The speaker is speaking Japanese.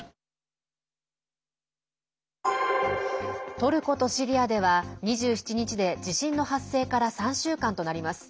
トルコとシリアでは２７日で地震の発生から３週間となります。